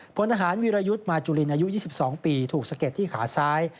พลทหารวิรยุทธ์มาจุลินอายุ๒๒ปีถูกสะเก็ดที่ขาซ้าย